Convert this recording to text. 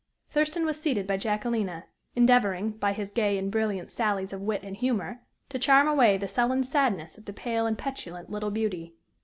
Thurston was seated by Jacquelina, endeavoring, by his gay and brilliant sallies of wit and humor, to charm away the sullen sadness of the pale and petulant little beauty.